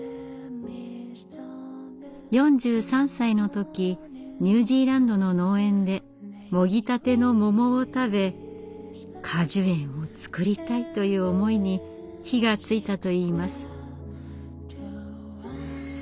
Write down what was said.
４３歳の時ニュージーランドの農園でもぎたての桃を食べ果樹園を作りたいという思いに火がついたといいます。